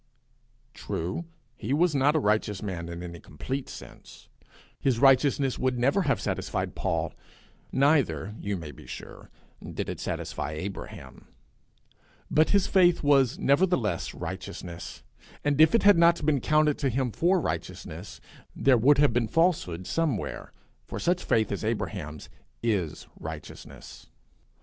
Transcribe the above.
True; he was not a righteous man in any complete sense; his righteousness would never have satisfied Paul; neither, you may be sure, did it satisfy Abraham; but his faith was nevertheless righteousness, and if it had not been counted to him for righteousness, there would have been falsehood somewhere, for such faith as Abraham's is righteousness.